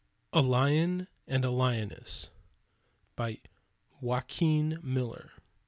A LION AND A LIONESS BY JOAQUIN MILLER.